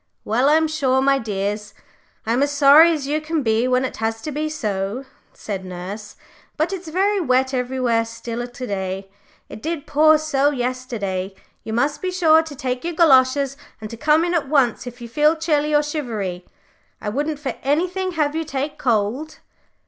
"Well, I'm sure, my dears, I'm as sorry as you can be when it has to be so," said nurse. "But it's very wet everywhere still to day. It did pour so yesterday. You must be sure to take your goloshes, and to come in at once if you feel chilly or shivery. I wouldn't for anything have you take cold."